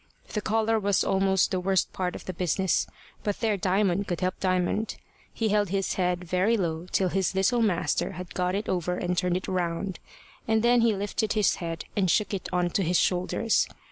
The collar was almost the worst part of the business; but there Diamond could help Diamond. He held his head very low till his little master had got it over and turned it round, and then he lifted his head, and shook it on to his shoulders.